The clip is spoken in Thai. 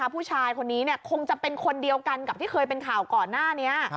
ผู้ชายคนนี้คงจะเป็นคนเดียวกันกับที่เคยเป็นข่าวก่อนหน้านี้